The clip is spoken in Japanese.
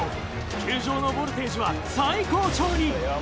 球場のボルテージは最高潮に。